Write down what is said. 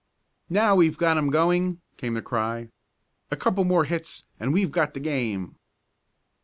"Now we've got 'em going," came the cry. "A couple more hits and we've got the game."